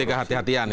itu bukti kehatian ya